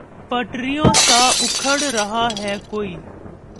پٹریوں سا اکھڑ رہا ہے کوئی